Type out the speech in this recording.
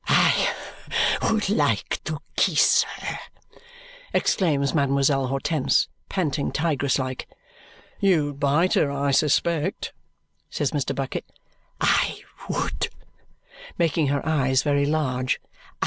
"I would like to kiss her!" exclaims Mademoiselle Hortense, panting tigress like. "You'd bite her, I suspect," says Mr. Bucket. "I would!" making her eyes very large.